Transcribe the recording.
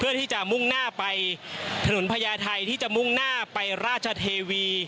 ด้านผลิวันหน้าไปราชเทศ